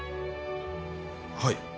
はい。